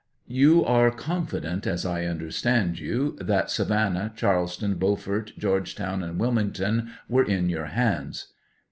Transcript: You are confident, as I understand you, that Sa vannah, Charleston, Beaufort, Georgetown and Wil mington, were in your hands?